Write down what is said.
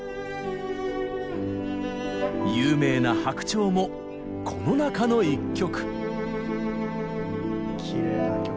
有名な「白鳥」もこの中の１曲。